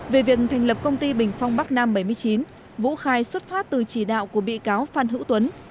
về việc thành lập công ty bình phong bắc nam bảy mươi chín vũ khai xuất phát từ chỉ đạo của bị cáo phan hữu tuấn